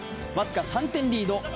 僅か３点リード。